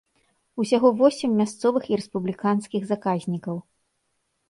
Усяго восем мясцовых і рэспубліканскіх заказнікаў.